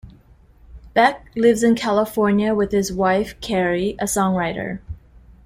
Beck lives in California with his wife Cari, a songwriter.